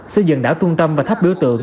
xây dựng đảo trung tâm và tháp biểu tượng